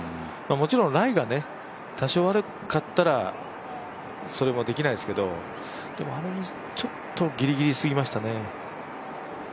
もちろんライが多少悪かったら、それもできないですけれども、でも、ちょっとギリギリすぎましたね。